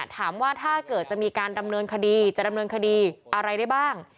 ถ้าเกิดจะมีการดำเนินคดีจะดำเนินคดีอะไรได้บ้าง